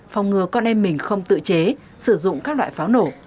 phòng ngừa con em mình không tự chế sử dụng các loại pháo nổ